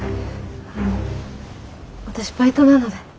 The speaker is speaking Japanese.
あの私バイトなので。